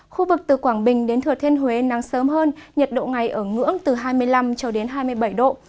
khu vực từ quảng bình đến thừa thiên huế nắng sớm hơn nhiệt độ ngày ở ngưỡng từ hai mươi năm cho đến hai mươi bảy độ